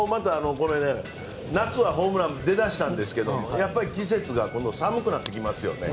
夏はホームラン出だしたんですけどやっぱり季節が寒くなってきますよね。